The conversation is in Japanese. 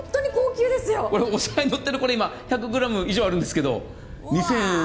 これ、お皿にのってるの１００ｇ以上あるんですけど、二千。